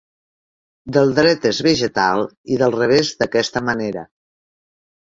Del dret és vegetal i del revés, d'aquesta manera.